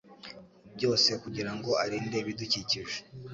byose kugirango arinde ibidukikije